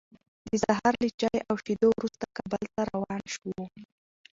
د سهار له چای او شیدو وروسته، کابل ته روان شوو.